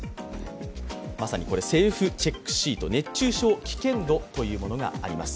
まさにセルフチェックシート、熱中症危険度というものがあります。